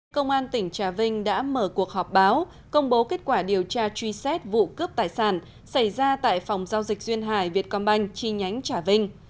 công an tỉnh trà vinh đã mở cuộc họp báo công bố kết quả điều tra truy xét vụ cướp tài sản xảy ra tại phòng giao dịch duyên hải việt công banh chi nhánh trà vinh